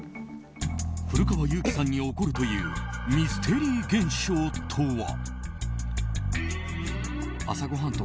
古川雄輝さんに起こるというミステリー現象とは。